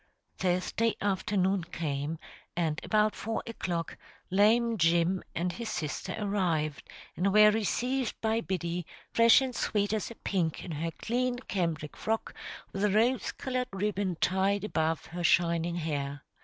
Thursday afternoon came, and about four o'clock "Lame Jim" and his sister arrived, and were received by Biddy, fresh and sweet as a pink in her clean cambric frock, with a rose colored ribbon tied above her shining hair.